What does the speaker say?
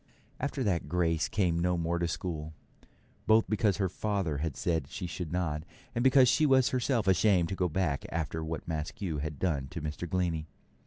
After that Grace came no more to school, both because her father had said she should not, and because she was herself ashamed to go back after what Maskew had done to Mr. Glennie.